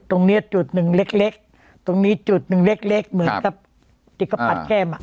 ตรงเนี้ยจุดหนึ่งเล็กเล็กตรงนี้จุดหนึ่งเล็กเล็กเหมือนกับจิกผัดแก้มอ่ะ